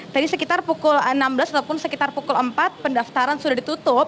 tadi sekitar pukul enam belas ataupun sekitar pukul empat pendaftaran sudah ditutup